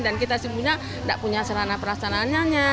dan kita sebetulnya tidak punya serana perasanannya